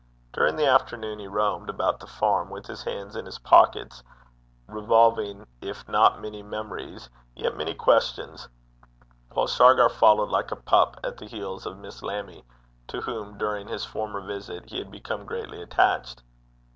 During the afternoon he roamed about the farm with his hands in his pockets, revolving if not many memories, yet many questions, while Shargar followed like a pup at the heels of Miss Lammie, to whom, during his former visit, he had become greatly attached.